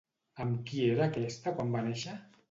Amb qui era aquesta quan va néixer?